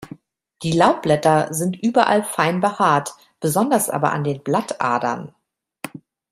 Die Laubblätter sind überall fein behaart, besonders aber an den Blattadern.